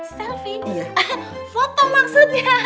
selfie foto maksudnya